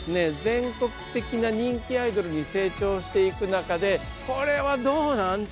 全国的な人気アイドルに成長していく中でこれはどうなん？